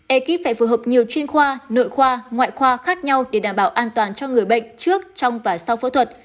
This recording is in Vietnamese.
ekip phải phù hợp nhiều chuyên khoa nội khoa ngoại khoa khác nhau để đảm bảo an toàn cho người bệnh trước trong và sau phẫu thuật